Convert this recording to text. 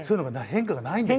変化がないんですね。